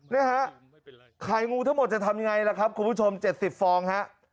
นะฮะไข่งูทั้งหมดจะทำยังไงล่ะครับคุณผู้ชม๗๐ฟองฮะ